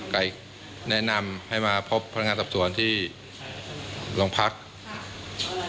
ใกล้แนะนำให้มาพบพนักงานตรับส่วนที่โรงพักษณ์